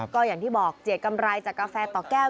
ก็อย่างที่บอกเจียกกำไรจากกาแฟต่อแก้ว